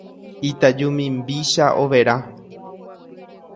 Itaju mimbícha overa